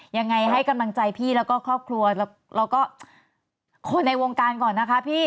ยังไงให้กำลังใจพี่แล้วก็ครอบครัวแล้วก็คนในวงการก่อนนะคะพี่